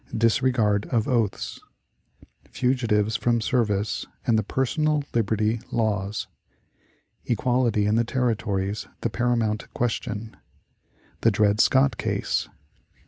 Disregard of Oaths. Fugitives from Service and the "Personal Liberty Laws." Equality in the Territories the Paramount Question. The Dred Scott Case.